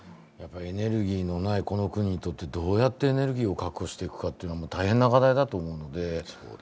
エネルギーのないこの国にとって、どうやってエネルギーを確保していくかというのは大変な問題ですね。